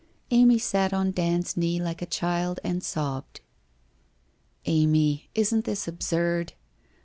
Amy sat on Dand's knee like a child and sobbed. * Amy, isn't this absurd